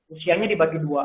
usianya dibagi dua